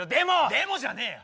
でもじゃねえよ！